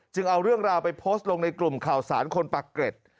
เอาเรื่องราวไปโพสต์ลงในกลุ่มข่าวสารคนปากเกร็ด